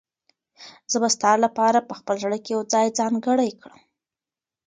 زه به ستا لپاره په خپل زړه کې یو ځای ځانګړی کړم.